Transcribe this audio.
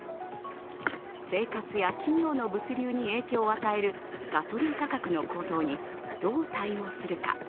生活や企業の物流に影響を与えるガソリン価格の高騰にどう対応するか。